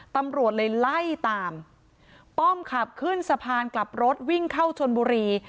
ตำรวจเลยไล่ตามป้อมขับขึ้นสะพานกลับรถวิ่งเข้าชนบุรี